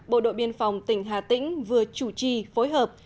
bộ đội biên phòng tỉnh hà tĩnh vừa chủ trì phối hợp